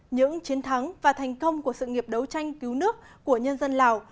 những chiến thắng và thành công của sự nghiệp đấu tranh cứu nước của nhân dân lào